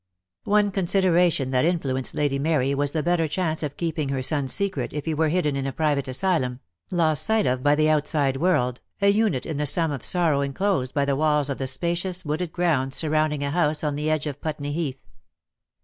One consideration that influenced Lady Mary was the better chance of keeping her son's secret if he were hidden in a private asylum, lost sight of by the outside world, a unit in the sum of sorrow enclosed by the walls of the spacious wooded grounds surrounding a house on the edge of Putney Heath.